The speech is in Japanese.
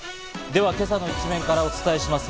では、今朝の一面からお伝えします。